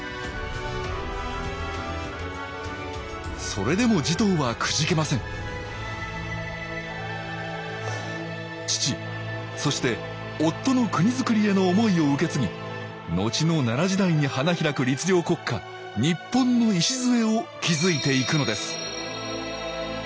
それでも持統はくじけません父そして夫の国づくりへの思いを受け継ぎのちの奈良時代に花開く律令国家日本の礎を築いていくのです